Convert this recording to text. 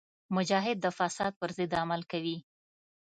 مجاهد د فساد پر ضد عمل کوي.